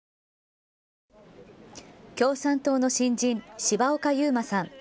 共産党の新人、柴岡祐真さん。